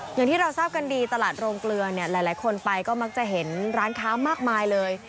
อย่างที่เราทราบกันดีตลาดโรงเกลือเนี่ยหลายคนไปก็มักจะเห็นร้านค้ามากมายเลย